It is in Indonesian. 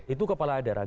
itu kepala daerah